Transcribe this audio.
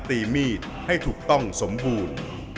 เหมือนเล็บแต่ของห้องเหมือนเล็บตลอดเวลา